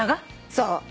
そう。